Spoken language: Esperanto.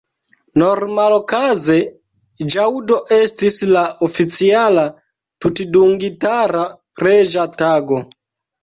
Normalokaze ĵaŭdo estis la oficiala tutdungitara preĝa tago.